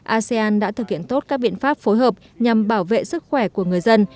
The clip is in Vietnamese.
asean đã thực hiện tốt các biện pháp phối hợp nhằm bảo vệ sức khỏe của người dân